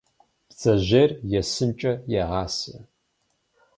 Бдзэжьейр есынкӏэ егъасэ.